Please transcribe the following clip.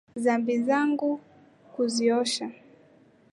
Dhambi zangu kuziosha.